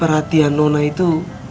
perhatian nona itu